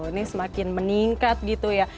ini semakin meningkat gitu ya